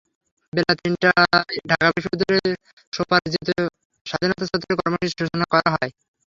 বেলা তিনটায় ঢাকা বিশ্ববিদ্যালয়ের স্বোপার্জিত স্বাধীনতা চত্বরে কর্মসূচির সূচনা করা হবে।